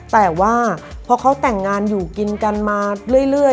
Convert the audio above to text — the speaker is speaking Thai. แต่ว่าพอเขาแต่งงานอยู่กินกันมาเรื่อย